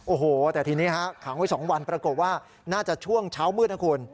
โอ้โหแต่ทีนี้ฮะขังไว้๒วันปรากฏว่าน่าจะช่วงเช้ามืดนะคุณ